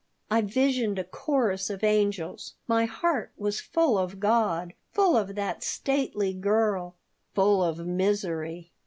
I visioned a chorus of angels. My heart was full of God, full of that stately girl, full of misery.